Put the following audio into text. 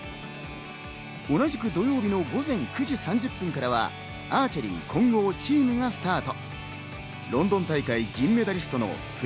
同じく土曜日の午前９時３０分からはアーチェリー混合チームがスタート。